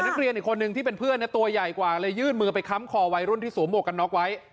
ไม่แกล้งคุณเกลี้ยว